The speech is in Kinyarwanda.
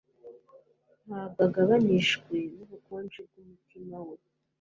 ntabwo agabanijwe nubukonje bwumutima we